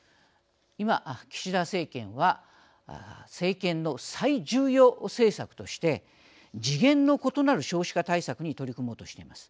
今岸田政権は政権の最重要政策として次元の異なる少子化対策に取り組もうとしています。